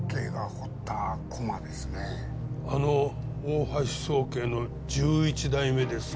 あの大橋宗桂の１１代目ですか？